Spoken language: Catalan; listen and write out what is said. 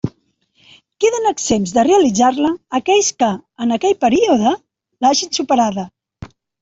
Queden exempts de realitzar-la aquells que, en aquest període, l'hagen superada.